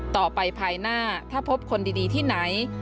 ภายหน้าถ้าพบคนดีที่ไหน